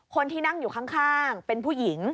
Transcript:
คนที่นั่งอยู่ข้างเป็นผู้หญิง